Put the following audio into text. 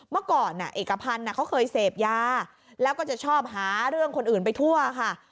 เมื่อก่อนเอกพันธ์เขาเคยเสพยาแล้วก็จะชอบหาเรื่องคนอื่นไปทั่วค่ะ